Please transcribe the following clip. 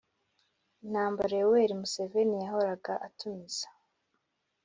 intambara.yoweri museveni yahoraga atumiza